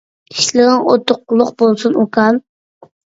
ئىشلىرىڭ ئۇتۇقلۇق بولسۇن ئۇكام.